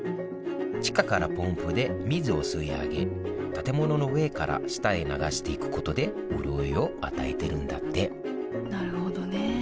地下からポンプで水を吸い上げ建物の上から下へ流していくことで潤いを与えてるんだってなるほどね。